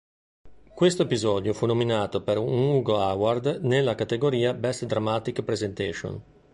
Questo episodio fu nominato per un Hugo Award nella categoria "Best Dramatic Presentation".